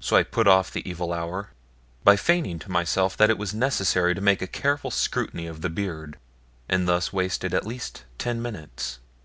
So I put off the evil hour, by feigning to myself that it was necessary to make a careful scrutiny of the beard, and thus wasted at least ten minutes.